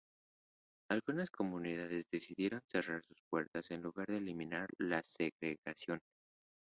Algunas comunidades decidieron cerrar sus puertas en lugar de eliminar la segregación.